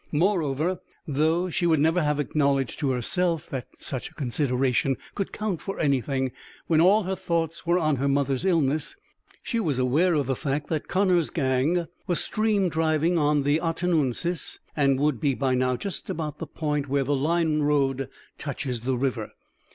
Moreover though she would never have acknowledged to herself that such a consideration could count for anything when all her thoughts were on her mother's illness she was aware of the fact that Connor's gang was stream driving on the Ottanoonsis, and would be by now just about the point where the Line Road touches the river.